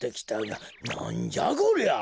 なんじゃこりゃ？